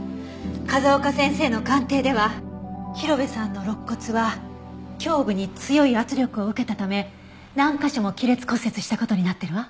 風丘先生の鑑定では広辺さんの肋骨は胸部に強い圧力を受けたため何カ所も亀裂骨折した事になってるわ。